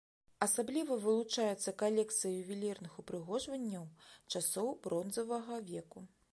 Асабліва вылучаецца калекцыя ювелірных упрыгожванняў часоў бронзавага веку.